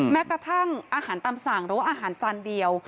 แม้กระทั่งอาหารตามสั่งหรือว่าอาหารจานเดียว